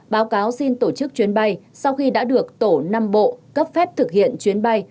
báo cáo xin tổ chức chuyến bay sau khi đã được tổ năm bộ cấp phép thực hiện chuyến bay